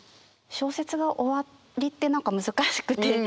小説が終わりって何か難しくて。